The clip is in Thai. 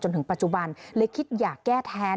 ถึงปัจจุบันเลยคิดอยากแก้แทน